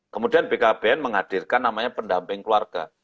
kemudian bkbn menghadirkan namanya pendamping keluarga